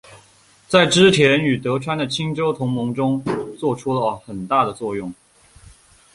在织田与德川的清洲同盟中作出很大的作用。